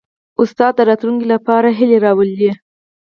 استاد د راتلونکي لپاره هیله راولي.